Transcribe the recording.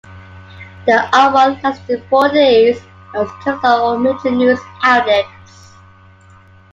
The uproar lasted for days and was covered on all major news outlets.